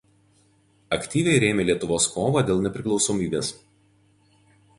Aktyviai rėmė Lietuvos kovą dėl nepriklausomybės.